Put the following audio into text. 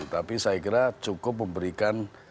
tapi saya kira cukup memberikan